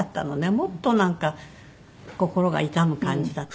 もっとなんか心が痛む感じだった。